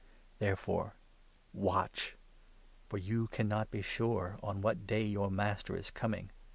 Therefore watch ; for you cannot be sure on what day 42 your Master is coming.